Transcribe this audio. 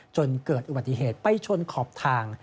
จนเกิดอุบัติเหตุไปชนขอบทาง